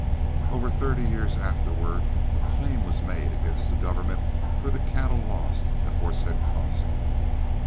Over thirty years afterward a claim was made against the government for the cattle lost at Horsehead Crossing.